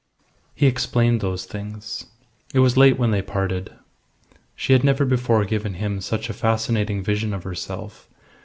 He explained those things. It was late when they parted. She had never before given him such a fascinating vision of herself.